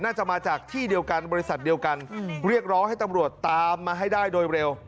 น่าจะมาจากที่เดียวกันบริษัทเดียวกันเรียกร้องให้ตำรวจตามมาให้ได้โดยเร็ว